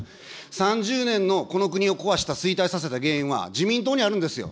３０年のこの国を壊した、衰退させた原因は自民党にあるんですよ。